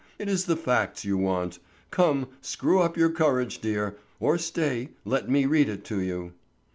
It is the facts you want. Come, screw up your courage, dear; or stay, let me read it to you."